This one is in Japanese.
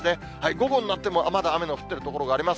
午後になってもまだ雨の降っている所があります。